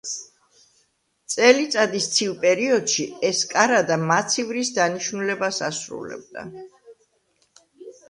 წელიწადის ცივ პერიოდში ეს კარადა მაცივრის დანიშნულებას ასრულებდა.